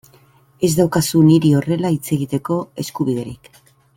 Ez daukazu niri horrela hitz egiteko eskubiderik.